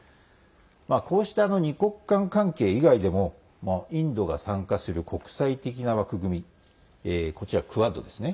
こうした２国間関係以外でもインドが参加する国際的な枠組みクアッドですね